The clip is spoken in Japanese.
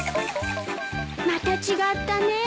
また違ったね。